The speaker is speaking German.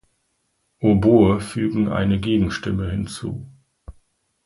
Oboe fügen eine Gegenstimme hinzu.